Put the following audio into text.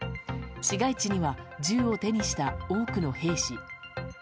市街地には銃を手にした多くの兵士。